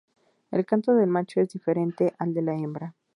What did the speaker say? El canto del macho es diferente al de la hembra.